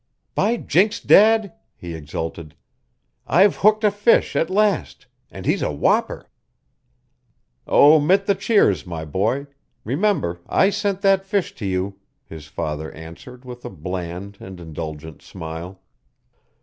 "By jinks, Dad!" he exulted. "I've hooked a fish at last and he's a whopper." "Omit the cheers, my boy. Remember I sent that fish to you," his father answered with a bland and indulgent smile.